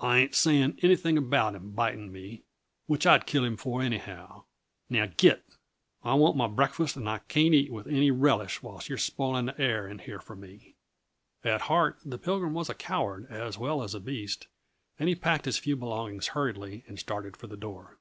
I ain't saying anything about him biting me which I'd kill him for, anyhow. Now, git! I want my breakfast, and I can't eat with any relish whilst you're spoiling the air in here for me." At heart the Pilgrim was a coward as well as a beast, and he packed his few belongings hurriedly and started for the door.